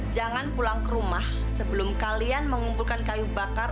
jangan pulang ke rumah sebelum kalian mengumpulkan kayu bakar